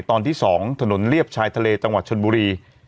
ตอนที่๒ถนนเลียบชายทะเลจังหวัดชนบุรี